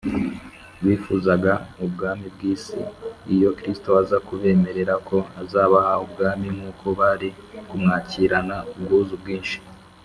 . Bifuzaga ubwami bw’iyi si. Iyo Kristo aza kubemerera ko azabaha ubwami nk’ubwo, bari kumwakirana ubwuzu bwinshi